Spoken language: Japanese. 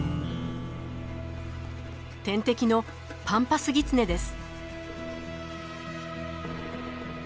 天敵のパンパスギツネです。